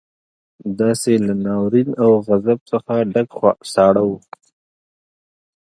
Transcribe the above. داسې له ناورين او غضب څخه ډک ساړه وو.